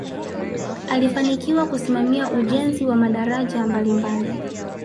alifanikiwa kusimamia ujenzi wa madaraja mbalimbali